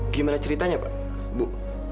gimana ceritanya pak bu